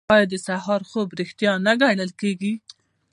آیا د سهار خوب ریښتیا نه ګڼل کیږي؟